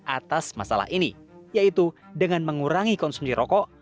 atas masalah ini yaitu dengan mengurangi konsumsi rokok